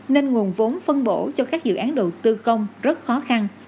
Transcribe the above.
nên nguồn vốn phân bổ cho các dự án đầu tư công rất khó khăn